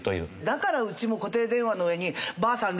だからうちも固定電話の上にばあさん